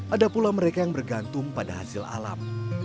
ada pula mereka yang bergantung pada hasil alam